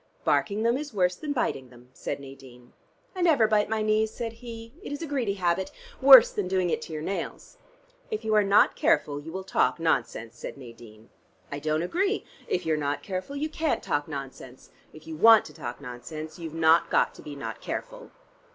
"Barking them is worse than biting them," said Nadine. "I never bite my knees," said he. "It is a greedy habit. Worse than doing it to your nails." "If you are not careful you will talk nonsense," said Nadine. "I don't agree. If you are not careful you can't talk nonsense. If you want to talk nonsense, you've not got to be not careful."